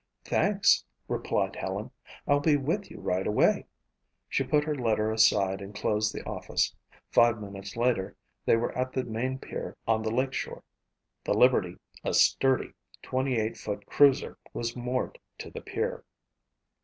"Thanks," replied Helen, "I'll be with you right away." She put her letter aside and closed the office. Five minutes later they were at the main pier on the lakeshore. The Liberty, a sturdy, 28 foot cruiser, was moored to the pier.